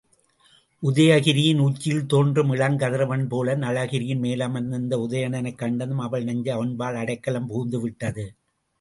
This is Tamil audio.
உதயகிரியின் உச்சியில் தோன்றும் இளங்கதிரவன்போல நளகிரியின் மேலமர்ந்திருந்த உதயணனைக் கண்டதும் அவள் நெஞ்சு அவன்பால் அடைக்கலம் புகுந்துவிட்டது.